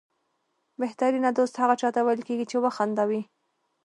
بهترینه دوست هغه چاته ویل کېږي چې وخندوي.